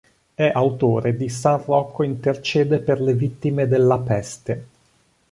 È autore di "San Rocco intercede per le vittime della peste".